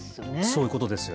そういうことです。